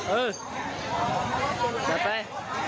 เอออย่าไป